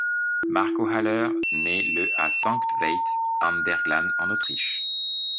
Marco Haller naît le à Sankt Veit an der Glan en Autriche.